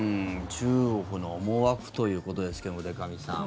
中国の思惑ということですが、でか美さん。